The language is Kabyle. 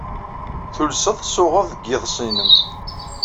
Tulsed tsuɣed deg yiḍes-nnem.